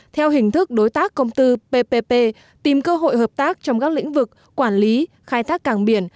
theo hình thức đối tác công tư ppp tìm cơ hội hợp tác trong các lĩnh vực quản lý khai thác cảng biển